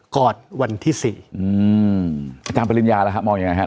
กับหัวรายะเช้าวันที่สี่อืมจะกรรมปริญญาแล้วฮะมองยังไงฮะ